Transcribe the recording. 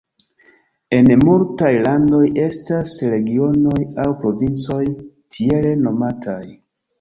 En multaj landoj estas regionoj aŭ provincoj tiele nomataj.